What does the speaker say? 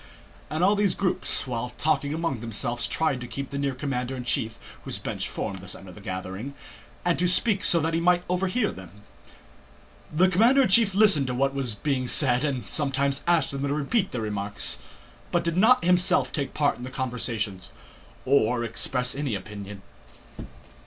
And all these groups, while talking among themselves, tried to keep near the commander in chief (whose bench formed the center of the gathering) and to speak so that he might overhear them. The commander in chief listened to what was being said and sometimes asked them to repeat their remarks, but did not himself take part in the conversations or express any opinion.